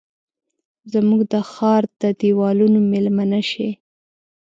زموږ د ښارد دیوالونو میلمنه شي